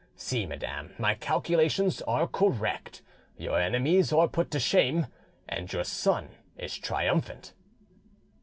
See, madam, my calculations are correct; your enemies are put to shame and your son is triumphant."